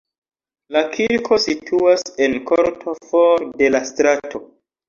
La kirko situas en korto for de la strato.